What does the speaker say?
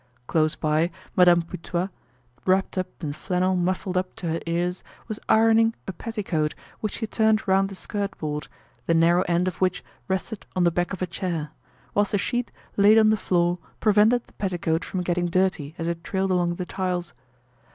Close by, Madame Putois, wrapped up in flannel muffled up to her ears, was ironing a petticoat which she turned round the skirt board, the narrow end of which rested on the back of a chair; whilst a sheet laid on the floor prevented the petticoat from getting dirty as it trailed along the tiles.